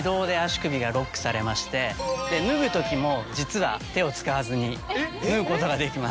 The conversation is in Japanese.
脱ぐときも実は手を使わずに脱ぐことができます。